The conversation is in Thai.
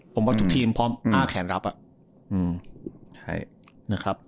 ผมว่าทุกทีมพร้อมอ้าแขนรับนะครับ